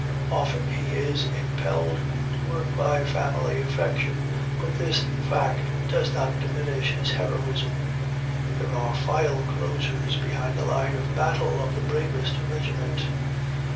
Often he is impelled to work by family affection, but this fact does not diminish his heroism. There are file closers behind the line of battle of the bravest regiment.